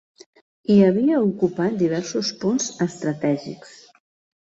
I havia ocupat diversos punts estratègics